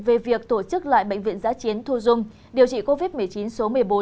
về việc tổ chức lại bệnh viện giã chiến thu dung điều trị covid một mươi chín số một mươi bốn